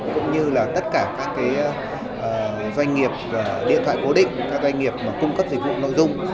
cũng như là tất cả các doanh nghiệp điện thoại cố định các doanh nghiệp cung cấp dịch vụ nội dung